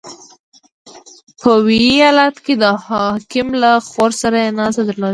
• په ویي ایالت کې د حاکم له خور سره یې ناسته درلوده.